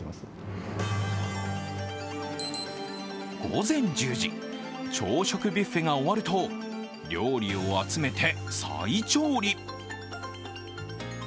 午前１０時、朝食ビュッフェが終わると、料理を集めて再調理。